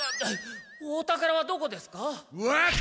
お宝はどこですか？